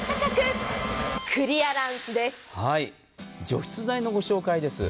除湿剤のご紹介です。